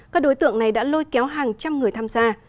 các đối tượng này đã lôi kéo hàng trăm người tham gia